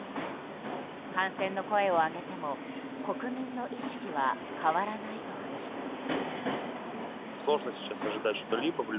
反戦の声を上げても国民の意識は変わらないと話します。